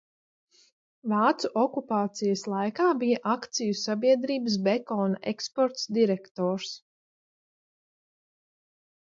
"Vācu okupācijas laikā bija akciju sabiedrības "Bekona eksports" direktors."